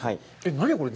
何これ？